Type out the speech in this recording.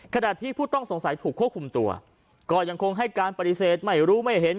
ขณะที่ผู้ต้องสงสัยถูกควบคุมตัวก็ยังคงให้การปฏิเสธไม่รู้ไม่เห็น